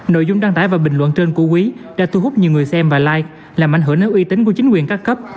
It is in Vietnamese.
nội dung đăng tải và bình luận trên của quý đã thu hút nhiều người xem và life làm ảnh hưởng đến uy tín của chính quyền các cấp